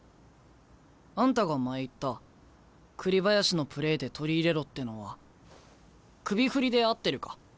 あんたが前言った栗林のプレーで取り入れろってのは首振りで合ってるか？